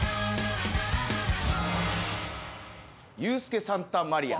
ユースケサンタマリア。